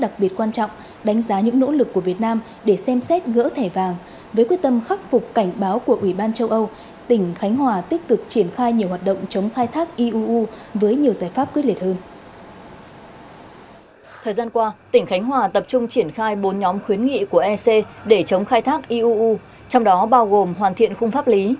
thời gian qua tỉnh khánh hòa tập trung triển khai bốn nhóm khuyến nghị của ec để chống khai thác iuu trong đó bao gồm hoàn thiện khung pháp lý